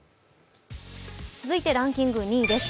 続いてランキング２位です。